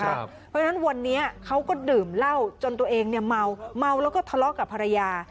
เพราะฉะนั้นวันนี้เขาก็ดื่มเหล้าจนตัวเองเมาแล้วก็ทะเลาะกับภรรยา